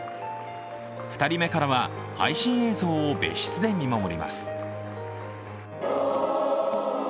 ２人目からは配信映像を別室で見守ります。